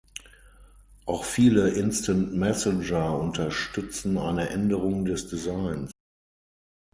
Auch viele Instant Messenger unterstützen eine Änderung des Designs.